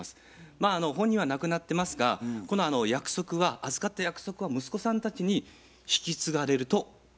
まあ本人は亡くなってますがこの約束は預かった約束は息子さんたちに引き継がれるとやっぱり思いますね。